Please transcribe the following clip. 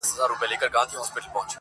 انارکلي! دا مرغلري اوښکي چاته ور وړې؟.!